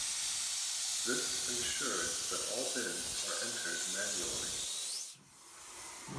This ensures that all bids are entered manually.